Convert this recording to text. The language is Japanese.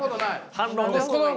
反論ですか。